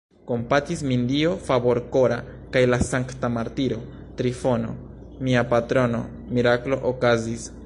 Kompatis min Dio Favorkora kaj la sankta martiro Trifono, mia patrono: miraklo okazis!